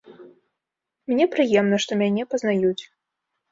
Мне прыемна, што мяне пазнаюць.